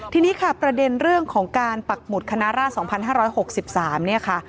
ทีนี้ค่ะประเด็นเรื่องของการปักหมุดคณะราช๒๕๖๓เนี่ยค่ะ